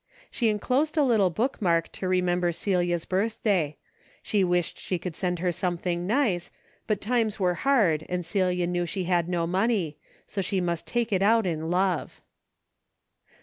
She enclosed a little book mark to remember Celia's birthday. She Avished she could send her something nice, but times were hard and Celia kneAV she had no money, so she must take it out in love.